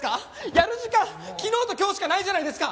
やる時間昨日と今日しかないじゃないですか！